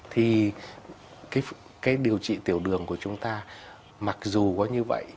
thì cái điều trị tiểu đường của chúng ta mặc dù có như vậy